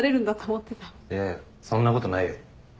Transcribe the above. いやそんなことないよ。